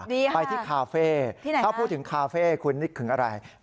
ดีค่ะที่ไหนค่ะถ้าพูดถึงคาเฟ่คุณนิดถึงอะไรคาเฟ่